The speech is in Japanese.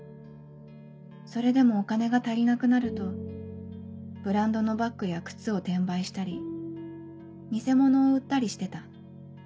それでもお金が足りなくなるとブランドのバッグや靴を転売したり偽物を売ったりしてた。